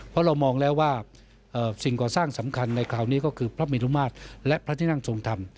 เพราะเรามองแล้วว่าสิ่งก่อสร้างสำคัญในคราวนี้ก็คือพระเมรุมาตรและพระที่นั่งทรงธรรม